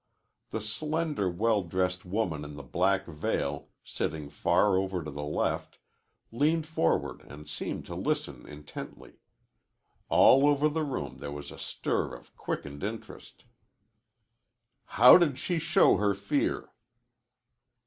The slender, well dressed woman in the black veil, sitting far over to the left, leaned forward and seemed to listen intently. All over the room there was a stir of quickened interest. "How did she show her fear?"